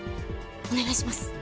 お願いします。